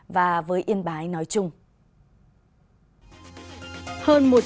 và với yên bái nói chung